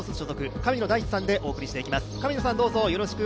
神野大地さんでお送りしていきます。